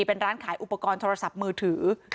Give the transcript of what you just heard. เป็นร้านขายอุปกรณ์โทรศัพท์มือถือ